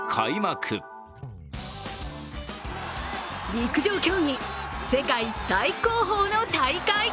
陸上競技、世界最高峰の大会。